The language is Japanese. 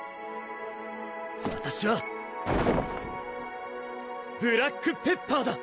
わたしはブラックペッパーだ！